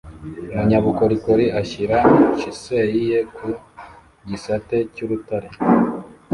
Umunyabukorikori ashyira chisel ye ku gisate cy'urutare